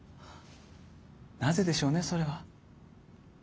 なぜでしょうねそれは。